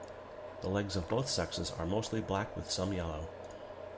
The legs of both sexes are mostly black with some yellow.